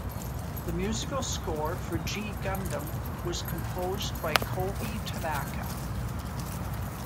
The musical score for "G Gundam" was composed by Kohei Tanaka.